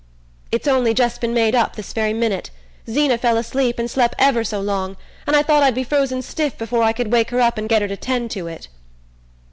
"It's on'y just been made up this very minute. Zeena fell asleep and slep' ever so long, and I thought I'd be frozen stiff before I could wake her up and get her to 'tend to it."